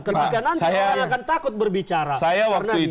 ketika nanti orang akan takut berbicara